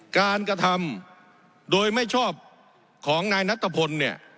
การกระทำโดยไม่ชอบของนายนัตตะพล